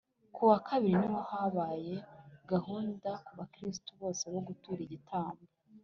ku wa kabiri niho habaye gahunda ku bakristu bose yo gutura igitambo